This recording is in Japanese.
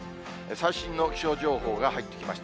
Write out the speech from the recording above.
最新の気象情報が入ってきました。